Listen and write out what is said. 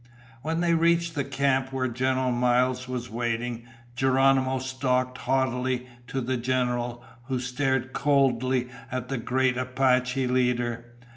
When they reached the camp where General Miles was waiting, Geronimo stalked haughtily to the general, who stared coldly at the great Apache leader.